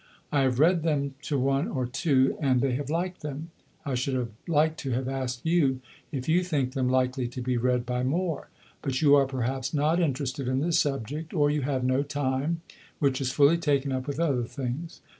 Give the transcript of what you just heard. I have read them to one or two, and they have liked them. I should have liked to have asked you if you think them likely to be read by more; but you are perhaps not interested in the subject, or you have no time, which is fully taken up with other things.